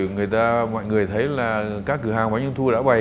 người ta mọi người thấy là các cửa hàng bánh ung thu đã bày